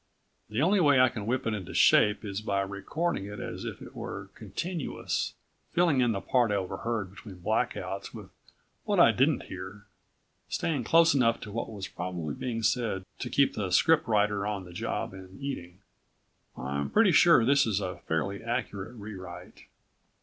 The only way I can whip it into shape is by recording it as if it were continuous, filling in the part I overheard between blackouts with what I didn't hear staying close enough to what was probably being said to keep the script writer on the job and eating. I'm pretty sure this is a fairly accurate re write.